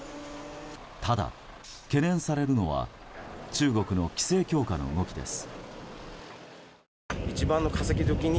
ただ、懸念されるのは中国の規制強化の動きです。